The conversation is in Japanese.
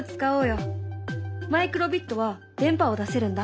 マイクロビットは電波を出せるんだ。